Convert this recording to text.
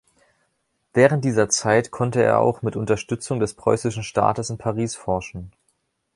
Während dieser Zeit konnte er auch mit Unterstützung des preußischen Staates in Paris forschen.